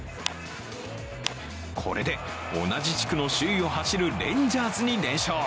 これで、同じ地区の首位を走るレンジャーズに連勝。